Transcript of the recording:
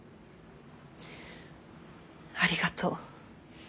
ありがとう。